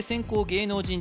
芸能人